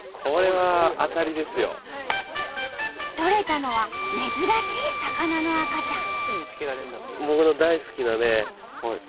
とれたのは珍しい魚の赤ちゃん。